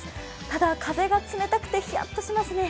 ただ風が冷たくてヒヤッとしますね。